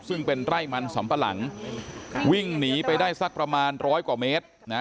ซึ่งเป็นไร่มันสำปะหลังวิ่งหนีไปได้สักประมาณร้อยกว่าเมตรนะ